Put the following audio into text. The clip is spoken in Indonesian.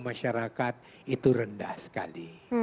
masyarakat itu rendah sekali